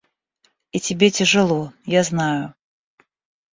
И тебе тяжело, я знаю.